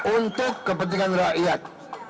untuk kepentingan rakyat